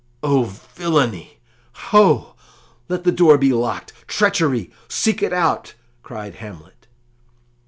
"O, villainy! Ho! let the door be locked! Treachery! Seek it out," cried Hamlet.